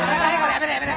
やめろやめろ！